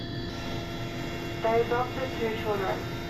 They adopted two children.